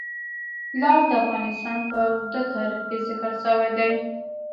لعل د افغانستان په اوږده تاریخ کې ذکر شوی دی.